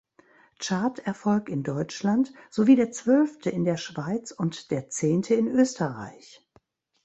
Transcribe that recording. Charterfolg in Deutschland sowie der zwölfte in der Schweiz und der zehnte in Österreich.